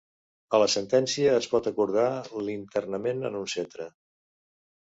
A la sentència es pot acordar l'internament en un centre.